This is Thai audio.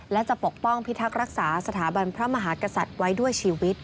และจะปกป้องพิทักษ์รักษาสถาบันพระมหากษัตริย์ไว้ด้วยชีวิต